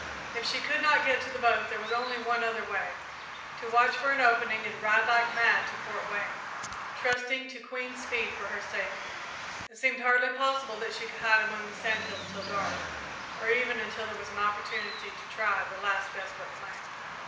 If she could not get to the boat there was only one other way to watch for an opening and ride like mad to Fort Wayne, trusting to Queen's speed for her safety. It seemed hardly possible that she could hide among the sand hills till dark, or even until there was an opportunity to try the last desperate plan.